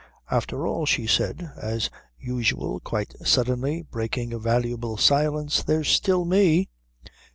"After all," she said, as usual quite suddenly, breaking a valuable silence, "there's still me."